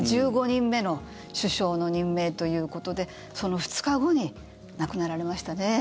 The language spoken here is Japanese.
１５人目の首相の任命ということでその２日後に亡くなられましたね。